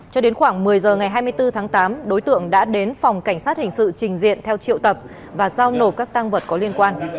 cho đến khoảng một mươi h ngày hai mươi bốn tháng tám đối tượng đã đến phòng cảnh sát hình sự trình diện theo triệu tập và giao nộp các tăng vật có liên quan